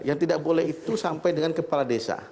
yang tidak boleh itu sampai dengan kepala desa